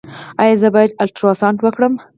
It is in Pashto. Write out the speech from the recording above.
ایا زه باید الټراساونډ وکړم؟